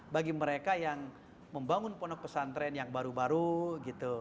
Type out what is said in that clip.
bagi mereka yang membangun pondok pesantren yang baru baru gitu